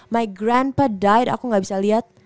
my grandpa died aku gak bisa liat